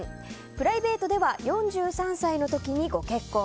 プライベートでは４３歳の時にご結婚。